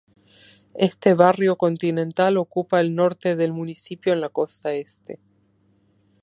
Este barrio, "continental", ocupa el norte del municipio en la costa este.